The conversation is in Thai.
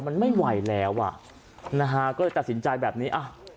มันไม่ไหวแล้วอ่ะนะฮะก็เลยตัดสินใจแบบนี้อ่ะ